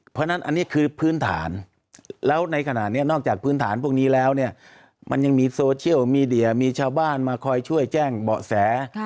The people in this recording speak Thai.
เพราะฉะนั้นอันนี้คือพื้นฐานแล้วในขณะนี้นอกจากพื้นฐานพวกนี้แล้วเนี่ยมันยังมีโซเชียลมีเดียมีชาวบ้านมาคอยช่วยแจ้งเบาะแส